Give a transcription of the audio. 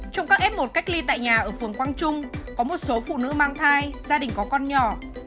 trong các f một cách ly tại nhà ở phường quang trung có một số phụ nữ mang thai gia đình có con nhỏ